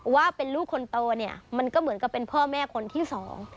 ว่าเป็นลูกคนโตเนี่ยมันก็เหมือนกับเป็นพ่อแม่คนที่สอง